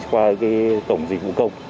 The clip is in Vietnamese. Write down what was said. qua tổng dịch vụ công